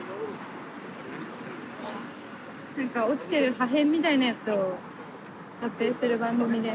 落ちてる破片みたいなやつを撮影する番組で。